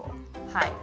はい。